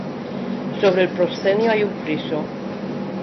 Sobre el proscenio hay un friso.